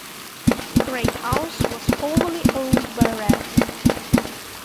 Cray House was formerly owned by Rev.